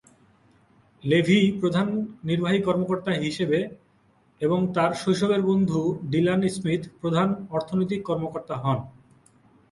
Levy প্রধান নির্বাহী কর্মকর্তা হিসেবে, এবং তার শৈশবের বন্ধু ডিলান স্মিথ প্রধান অর্থনৈতিক কর্মকর্তা হন।